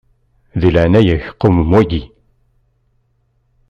Di leɛnaya-k qwem waki.